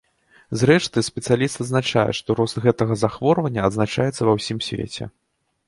Зрэшты, спецыяліст адзначае, што рост гэтага захворвання адзначаецца ва ўсім свеце.